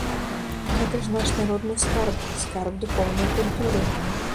А гэта ж наш народны скарб, скарб духоўнай культуры.